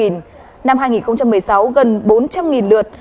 năm hai nghìn một mươi sáu gần bốn trăm linh lượt